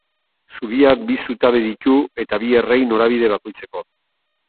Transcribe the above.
Zubiak bi zutabe ditu eta bi errei norabide bakoitzeko.